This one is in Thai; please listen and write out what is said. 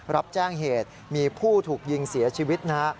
รับแจ้งเหตุมีผู้ถูกยิงเสียชีวิตนะฮะ